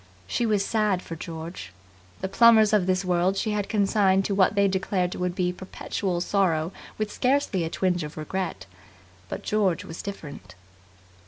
She was sad for George. The Plummers of this world she had consigned to what they declared would be perpetual sorrow with scarcely a twinge of regret. But George was different.